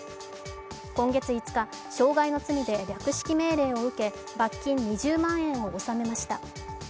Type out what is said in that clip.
今月５日、傷害の罪で略式命令を受け、罰金２０万円を納めました。